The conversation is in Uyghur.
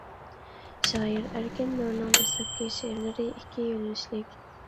شائىر ئەركىن نۇرنىڭ دەسلەپكى شېئىرلىرى ئىككى يۆنىلىشلىك.